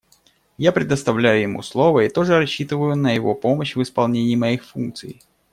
Я предоставляю ему слово и тоже рассчитываю на его помощь в исполнении моих функций.